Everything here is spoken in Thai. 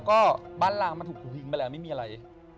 ก็บ้านลางมันถูกทิ้งไปแล้วไม่มีอะไร